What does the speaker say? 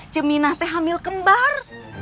ceminah teh hamil kembar